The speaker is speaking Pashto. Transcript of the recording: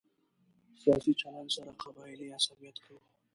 له سیاسي چلن سره قبایلي عصبیت کوو.